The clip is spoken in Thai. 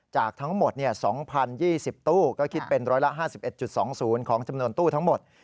จากทั้งหมด๒๐๒๐ตู้ก็คิดเป็นร้อยละ๕๑๒๐ของจำนวนตู้ทั้งหมด